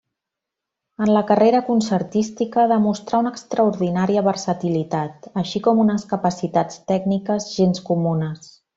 En la carrera concertística demostrà una extraordinària versatilitat, així com unes capacitats tècniques gens comunes.